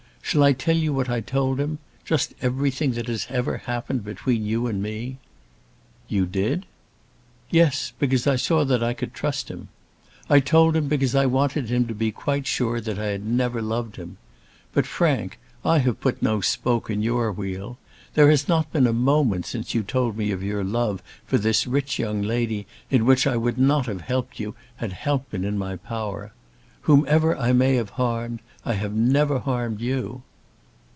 Shall I tell you what I told him? Just everything that has ever happened between you and me." "You did?" "Yes; because I saw that I could trust him. I told him because I wanted him to be quite sure that I had never loved him. But, Frank, I have put no spoke in your wheel. There has not been a moment since you told me of your love for this rich young lady in which I would not have helped you had help been in my power. Whomever I may have harmed, I have never harmed you."